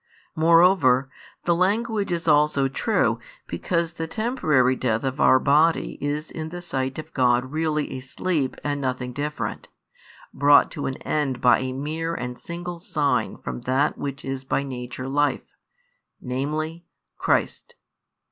Moreover, the language is also true, because the temporary death of our body is in the sight of God really a sleep and nothing different, brought to an end by a mere and single sign from that which is by nature Life, namely, Christ.